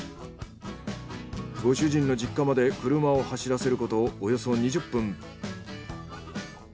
ご主人の実家まで車を走らせることおよそ２０分。